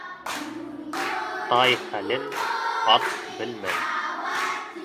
Тай хәлен ат белмәй